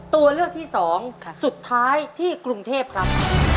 ตัวเลือกที่สองสุดท้ายที่กรุงเทพครับ